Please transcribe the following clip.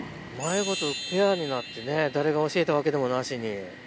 うまいことペアになってね誰が教えたわけでもなしに。